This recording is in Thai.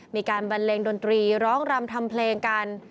บันเลงดนตรีร้องรำทำเพลงกัน